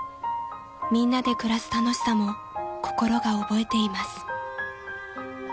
［みんなで暮らす楽しさも心が覚えています］